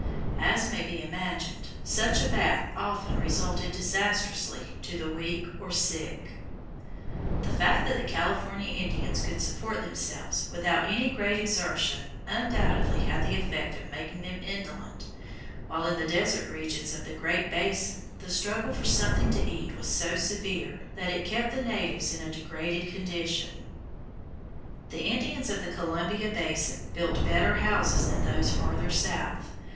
As may be imagined, such a bath often resulted disastrously to the weak or sick. The fact that the California Indians could support themselves without any great exertion undoubtedly had the effect of making them indolent, while in the desert regions of the Great Basin the struggle for something to eat was so severe that it kept the natives in a degraded condition. [Illustration: FIG. 62. CALIFORNIA INDIAN BASKET] The Indians of the Columbia basin built better houses than those farther south.